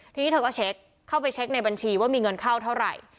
ทีนี้เธอก็เช็คเข้าไปเช็คในบัญชีว่ามีเงินเข้าเท่าไหร่